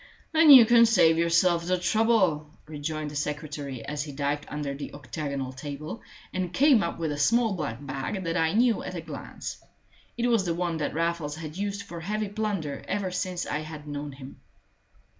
"Then you can save yourself the trouble," rejoined the secretary, as he dived under the octagonal table, and came up with a small black bag that I knew at a glance. It was the one that Raffles had used for heavy plunder ever since I had known him.